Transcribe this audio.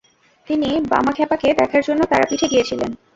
তিনি বামাক্ষ্যাপাকে দেখার জন্য তারাপীঠে গিয়েছিলেন।